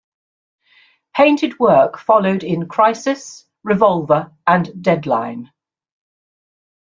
Painted work followed in "Crisis", "Revolver" and "Deadline".